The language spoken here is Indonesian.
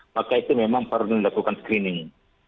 maka itu memang perlu dilakukan screening